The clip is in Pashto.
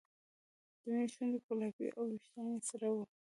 د مینې شونډې ګلابي وې او وېښتان یې سره وو